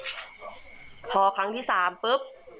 เติบอีกแล้วพอครั้งที่สามปุ๊บ